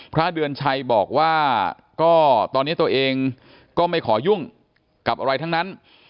พระเดือนชัยบอกว่าก็ตอนนี้ตัวเองก็ไม่ขอยุ่งกับอะไรทั้งนั้น